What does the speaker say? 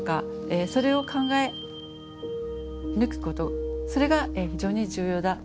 それを考え抜くことそれが非常に重要だということです。